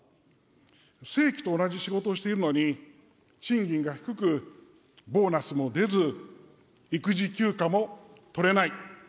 正規と同じ仕事をしているのに、賃金が低く、ボーナスも出ず、育児休暇も取れない。